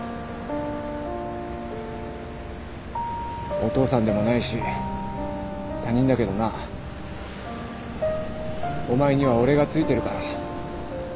お父さんでもないし他人だけどなお前には俺がついてるから。